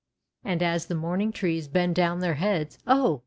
"And as the mourning trees bend down their heads, Oh